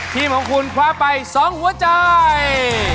ทีมของคุณคว้าไป๒หัวใจ